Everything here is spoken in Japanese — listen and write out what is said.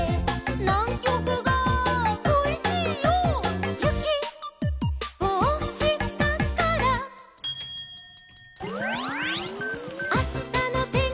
「『ナンキョクがこいしいよ』」「ゆきをおしたから」「あしたのてんきは」